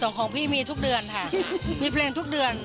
ของพี่มีทุกเดือนค่ะมีเพลงทุกเดือน